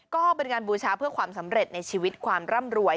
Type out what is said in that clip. ก็เป็นการบูชาเพื่อความสำเร็จในชีวิตความร่ำรวย